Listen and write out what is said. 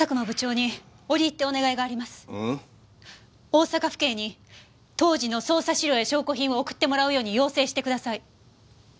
大阪府警に当時の捜査資料や証拠品を送ってもらうように要請してください。